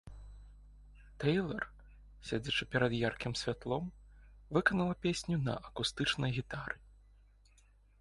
Тэйлар, седзячы перад яркім святлом, выканала песню на акустычнай гітары.